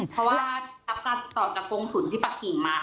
เพราะว่ารับการติดต่อจากกรงศูนย์ที่ปักกิ่งมา